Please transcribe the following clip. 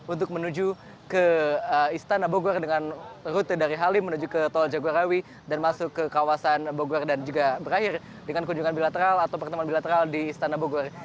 untuk menuju ke istana bogor dengan rute dari halim menuju ke tol jagorawi dan masuk ke kawasan bogor dan juga berakhir dengan kunjungan bilateral atau pertemuan bilateral di istana bogor